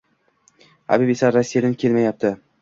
Habib esa Rossiyadan kelmayapti